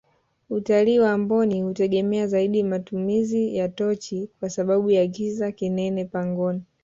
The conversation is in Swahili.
utalii wa amboni hutegemea zaidi matumizi ya tochi kwa sababu ya kiza kinene pangoni